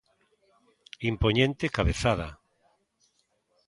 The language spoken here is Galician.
Impoñente cabezada.